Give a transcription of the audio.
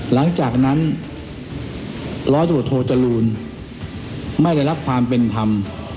หลังจากนั้นร้อยตรวจโทจรูลไม่ได้รับความเป็นธรรม